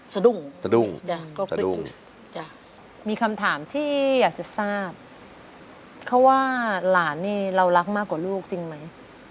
สะดุ้งสะดุ้งจ้ะก็คือจ้ะมีคำถามที่อยากจะทราบเขาว่าหลานนี่เรารักมากกว่าลูกจริงไหม